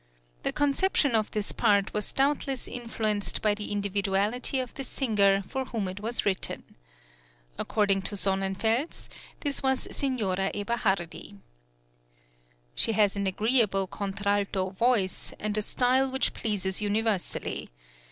The conception of this part was doubtless influenced by the individuality of the singer for whom it was written. According to Sonnenfels this was Signora Eberhardi. "She has an agreeable contralto voice, and a style which pleases universally.